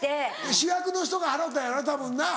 主役の人が払ったんやろうなたぶんな。